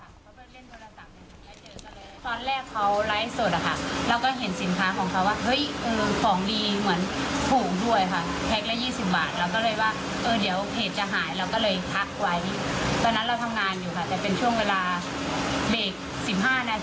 ใส่ว่าค่าส่งเท่าไหร่ดังนั้นเราก็ยังไม่ว่างที่จะอ่านนะครับ